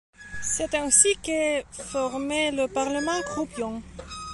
C'est ainsi qu'est formé le Parlement croupion.